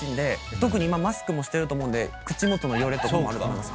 特に今マスクもしてると思うんで口元のよれとかもあると思います。